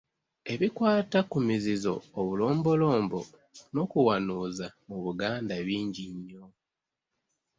Ebikwata ku mizizo, obulombolombo n'okuwanuuza mu Buganda bingi nnyo.